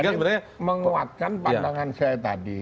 jadi menguatkan pandangan saya tadi